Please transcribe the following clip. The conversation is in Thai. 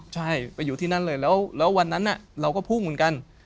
ใช่ไปอยู่ที่นั่นเลยแล้ววันนั้นเราก็พุ่งเหมือนกัน